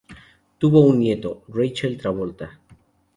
Tuvo un nieto, Rachel Travolta.